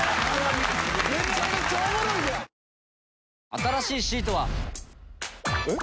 新しいシートは。えっ？